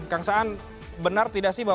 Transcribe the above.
kang saan benar tidak sih